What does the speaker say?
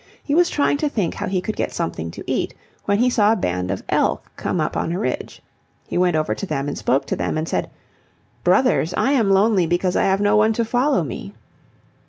He was trying to think how he could get something to eat, when he saw a band of elk come up on a ridge. He went over to them and spoke to them and said, "Brothers, I am lonely because I have no one to follow me."